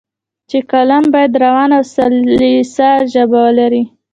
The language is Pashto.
چې کالم باید روانه او سلیسه ژبه ولري.